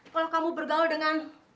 kalau kamu bergaul dengan